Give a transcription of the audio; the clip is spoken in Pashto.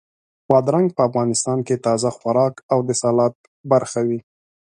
بادرنګ په افغانستان کې تازه خوراک او د سالاد برخه وي.